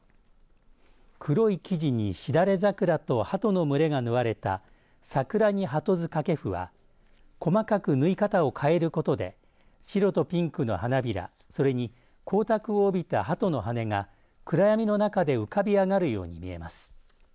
黒い生地にしだれ桜とはとの群れが縫われた桜に鳩図掛布は細かく縫い方を変えることで白とピンクの花びら、それに光沢を帯びたはとの羽が暗闇の中で浮かび上がるように見えます。